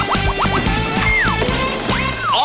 ออฟเบอร์โจร